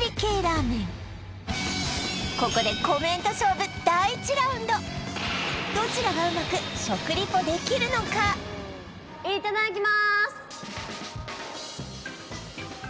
ここでコメント勝負第１ラウンドどちらがうまく食リポできるのかいただきます